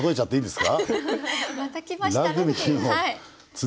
はい。